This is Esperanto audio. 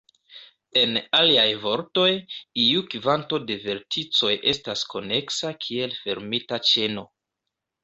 En aliaj vortoj, iu kvanto da verticoj estas koneksa kiel fermita ĉeno.